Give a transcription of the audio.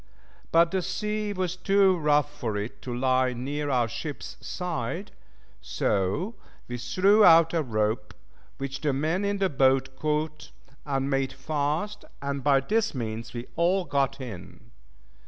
But the sea was too rough for it to lie near our ship's side, so we threw out a rope, which the men in the boat caught, and made fast, and by this means we all got in.